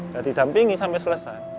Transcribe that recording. ya didampingi sampai selesai